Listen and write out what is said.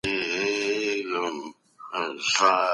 هغه نجلۍ به د خپل ذهن د کنټرول لپاره سکوت غوره کاوه.